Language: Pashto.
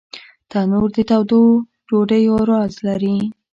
تنور د تودو ډوډیو راز لري